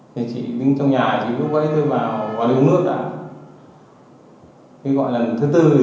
thì chị ấy đứng trong nhà lúc ấy tôi vào đường nước đã